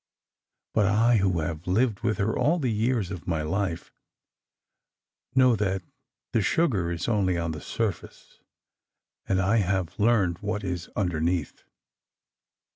But I, who have lived with her all the years of my life, know that the sugar is only on the surface. And I have learned what is underneath.